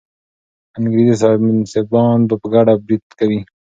انګریزي صاحب منصبان به په ګډه برید کوي.